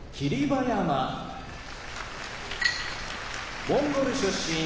馬山モンゴル出身